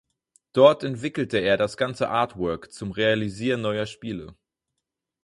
Dort entwickelte er das ganze Artwork zum Realisieren neuer Spiele.